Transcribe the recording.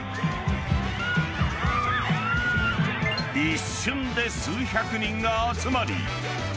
［一瞬で数百人が集まり］